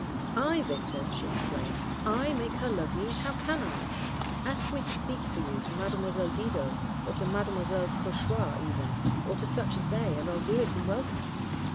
"'I, Victor!' she exclaimed. 'I make her love you? How can I? Ask me to speak for you to Mademoiselle Didot, or to Mademoiselle Cauchois even, or to such as they, and I'll do it, and welcome.